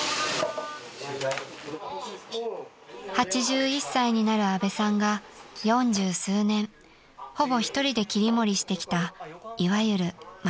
［８１歳になる阿部さんが四十数年ほぼ１人で切り盛りしてきたいわゆる町中華］